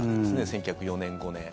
１９０４年、５年。